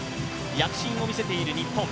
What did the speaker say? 躍進を見せている日本。